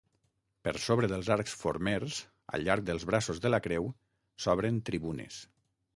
Per sobre dels arcs formers, al llarg dels braços de la creu, s'obren tribunes.